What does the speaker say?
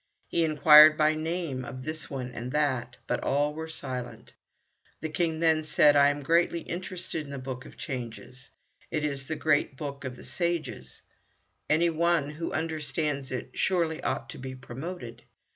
He inquired by name of this one and that, but all were silent. The King then said, "I am greatly interested in the reading of the Book of Changes; it is the great book of the sages. Any one who understands it surely ought to be promoted.